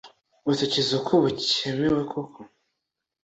batekereza ko bucyemewe. koko